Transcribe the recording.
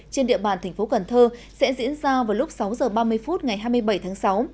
trên địa bàn thành phố cần thơ sẽ diễn ra vào lúc sáu h ba mươi phút ngày hai mươi bảy tháng sáu